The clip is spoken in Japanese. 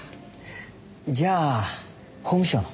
じゃあ法務省の？